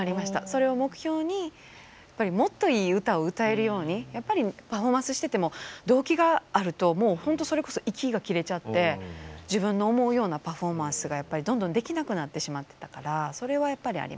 それを目標にやっぱりもっといい歌を歌えるようにやっぱりパフォーマンスしてても動悸があるともう本当それこそ息が切れちゃって自分の思うようなパフォーマンスがどんどんできなくなってしまってたからそれはやっぱりありましたね。